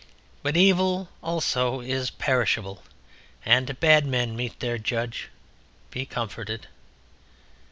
But evil also is perishable and bad men meet their judge. Be comforted.